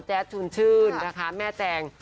ชุนชื่นนะคะแม่แจง